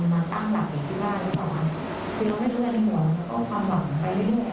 การเข้ามาให้ปากเขาเราไม่รู้ด้วยซ้ำว่าต้องไปที่ไหน